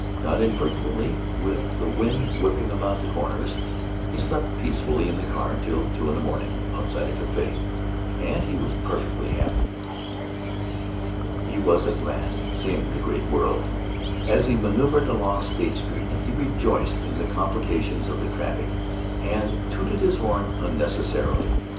Not infrequently, with the wind whooping about corners, he slept peacefully in the car till two in the morning, outside a café. And he was perfectly happy. He was at last seeing the Great World. As he manœuvered along State Street he rejoiced in the complications of the traffic and tooted his horn unnecessarily.